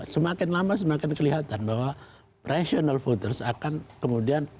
semakin lama semakin kelihatan bahwa rational voters akan kemudian